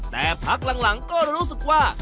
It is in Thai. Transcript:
แต่พักหลังก็รู้สึกว่า